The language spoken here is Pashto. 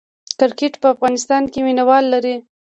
کرکټ په افغانستان کې مینه وال لري